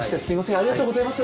ありがとうございます。